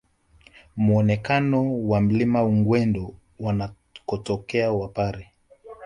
Muonekano wa Mlima Ugweno wanakotokea wapare